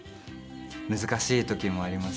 難しい時もあります。